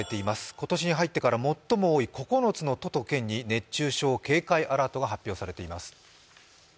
今年に入ってから最も多い９つの都と県に熱中症警戒アラートが発表されています。